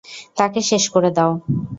তাকে শেষ করে দাও।